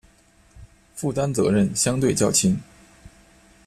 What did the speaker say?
负担责任相对较轻